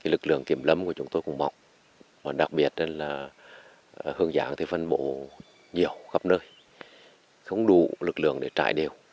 lực lượng kiểm lâm của chúng tôi cũng mọc đặc biệt là hương ráng phân bổ nhiều khắp nơi không đủ lực lượng để trải điều